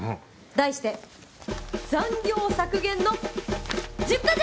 題して残業削減の１０か条。